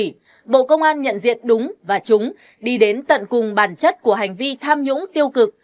vì vậy bộ công an nhận diện đúng và chúng đi đến tận cùng bản chất của hành vi tham nhũng tiêu cực